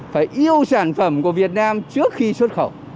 phải yêu sản phẩm của việt nam trước khi xuất khẩu